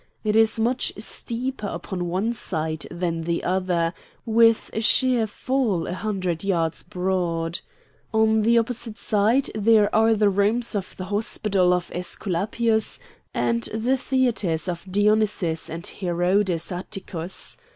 It is much steeper upon one side than the other, with a sheer fall a hundred yards broad; on the opposite side there are the rooms of the Hospital of Aesculapius and the theatres of Dionysus and Herodes Atticus.